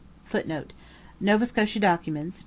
[Footnote: Nova Scotia Documents, p.